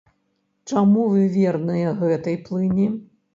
Чаму вы верныя гэтай плыні?